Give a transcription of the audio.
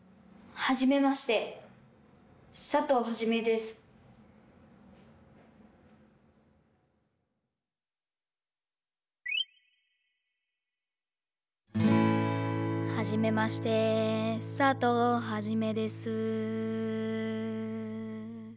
「はじめまして佐藤はじめです」